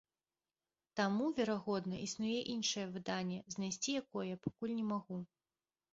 Таму, верагодна, існуе іншае выданне, знайсці якое я пакуль не магу.